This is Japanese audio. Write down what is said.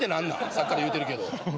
さっきから言うてるけど。